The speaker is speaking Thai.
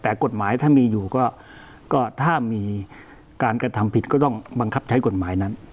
แต่กฎหมายถ้ามีอยู่ก็ถ้ามีการกระทำผิดก็ต้องบังคับใช้กฎหมายนั้น